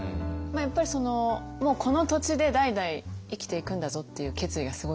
やっぱりそのもうこの土地で代々生きていくんだぞっていう決意がすごいんですよねきっと。